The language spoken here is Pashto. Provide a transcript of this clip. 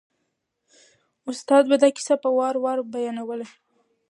استاد به دا کیسه په وار وار بیانوله.